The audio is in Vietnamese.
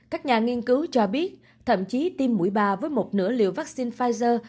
các nhà nghiên cứu cho biết thậm chí tiêm mũi ba với một nửa liệu vaccine pfizer